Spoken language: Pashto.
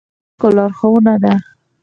رهبري د خلکو لارښوونه ده